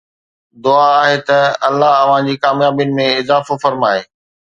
دعا آهي ته الله اوهان جي ڪاميابين ۾ اضافو فرمائي